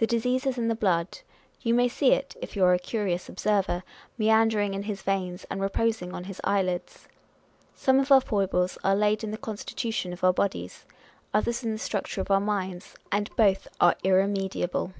The disease is in the blood : you may see it (if you are a curious observer) meandering in his veins, and reposing on his eyelids! Some of our foibles are laid in the constitution of our bodies ; others in the structure of our minds, and both are irremediable.